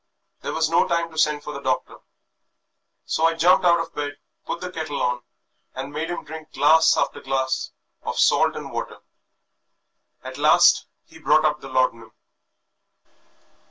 There was no time to send for the doctor, so I jumped out of bed, put the kettle on, and made him drink glass after glass of salt and water. At last he brought up the laudanum."